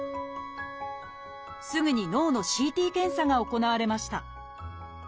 すぐに脳のＣＴ検査が行われました。